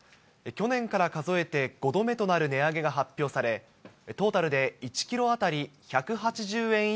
去年から数えて５度目となる値上げが発表され、トータルで１キロ当たり１８０円